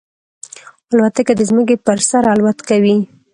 الوتکه د ځمکې پر سر الوت کوي.